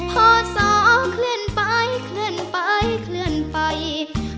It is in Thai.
พอสองเคลื่อนไปเคลื่อนไปเคลื่อนไป